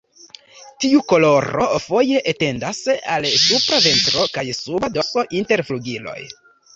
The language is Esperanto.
Tiu koloro foje etendas al supra ventro kaj suba dorso, inter flugiloj.